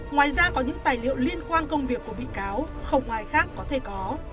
ngoài ra có những tài liệu liên quan công việc của bị cáo không ai khác có thể có